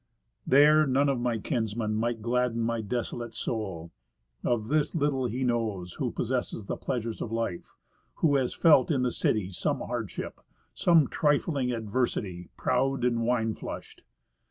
There none of my kinsmen Might gladden my desolate soul; of this little he knows Who possesses the pleasures of life, who has felt in the city Some hardship, some trifling adversity, proud and wine flushed.